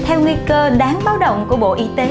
theo nguy cơ đáng báo động của bộ y tế